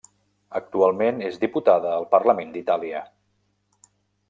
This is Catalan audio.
Actualment és diputada al Parlament d'Itàlia.